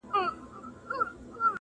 خدایه دې ماښام ته ډېر ستوري نصیب کړې،